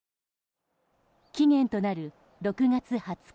期限となる６月２０日。